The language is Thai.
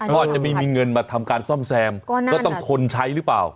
ก็อาจจะไม่มีเงินมาทำการซ่อมแซมก็ต้องทนใช้หรือเปล่า